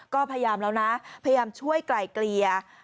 ก็พยายามแล้วนะพยายามช่วยไกลเกลี่ย